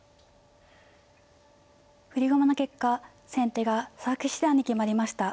振り駒の結果先手が佐々木七段に決まりました。